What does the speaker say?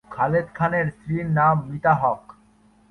খালেদ খানের স্ত্রীর নাম মিতা হক।